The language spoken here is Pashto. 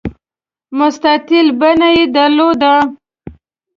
مستطیل بڼه یې درلوده.